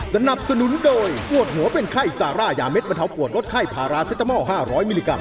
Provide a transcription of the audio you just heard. สนับสนุนโดยปวดหัวเป็นไข้ซาร่ายาเด็ดบรรเทาปวดลดไข้พาราเซตามอล๕๐๐มิลลิกรั